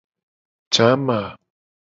Jama.